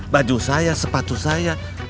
baju saya sepatu saya